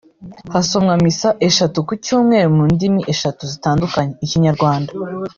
hasomwa misa eshatu ku cyumweru mu ndimi eshatu zitandukanye (Ikinyarwanda